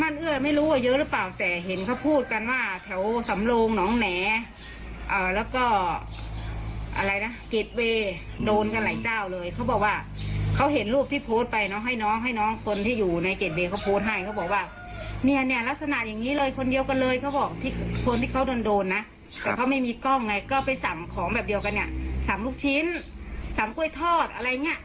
คือเขาจะเข้าตามร้านของพ่อโดยตรงเลย